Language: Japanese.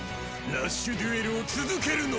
ラッシュデュエルを続けるのだ！